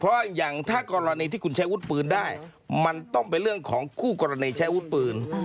เพราะอย่างถ้ากรณีที่คุณใช้วุฒิปืนได้มันต้องเป็นเรื่องของคู่กรณีใช้วุฒิปืน